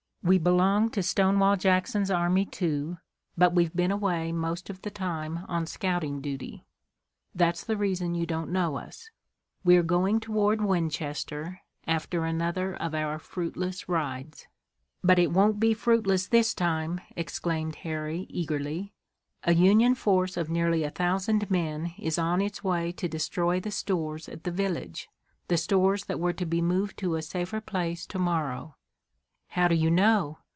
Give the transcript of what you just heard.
We belong to Stonewall Jackson's army, too, but we've been away most of the time on scouting duty. That's the reason you don't know us. We're going toward Winchester, after another of our fruitless rides." "But it won't be fruitless this time!" exclaimed Harry, eagerly. "A Union force of nearly a thousand men is on its way to destroy the stores at the village, the stores that were to be moved to a safer place to morrow!" "How do you know?"